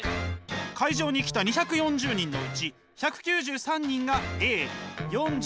会場に来た２４０人のうち１９３人がＡ４７人はＢ。